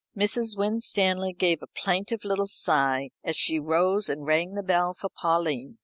Mrs. Winstanley gave a plaintive little sigh as she rose and rang the bell for Pauline.